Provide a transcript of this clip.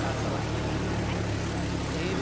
さて本日のお花は。